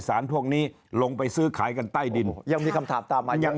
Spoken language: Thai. พวกนี้ลงไปซื้อขายกันใต้ดินยังมีคำถามตามมายัง